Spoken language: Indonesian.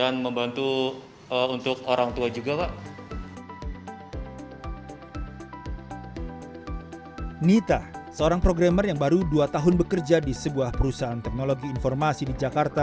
nita seorang programmer yang baru dua tahun bekerja di sebuah perusahaan teknologi informasi di jakarta